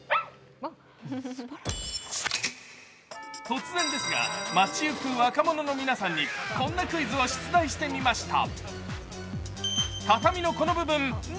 突然ですが、街ゆく若者の皆さんにこんなクイズを出題してみました。